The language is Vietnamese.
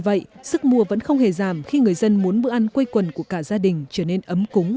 vậy sức mua vẫn không hề giảm khi người dân muốn bữa ăn quây quần của cả gia đình trở nên ấm cúng